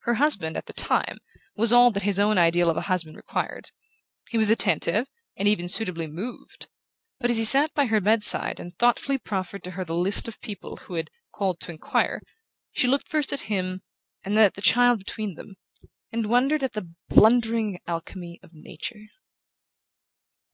Her husband, at the time, was all that his own ideal of a husband required. He was attentive, and even suitably moved: but as he sat by her bedside, and thoughtfully proffered to her the list of people who had "called to enquire", she looked first at him, and then at the child between them, and wondered at the blundering alchemy of Nature...